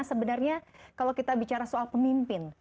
sebenarnya kalau kita bicara soal pemimpin